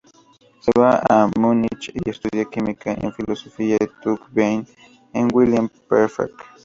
Se va a Múnich y estudia Química, y Fisiología en Tübingen con Wilhelm Pfeffer.